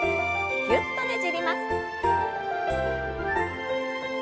ぎゅっとねじります。